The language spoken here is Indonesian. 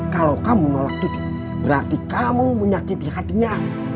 kalau kamu nolak tukti berarti kamu menyakiti hatinya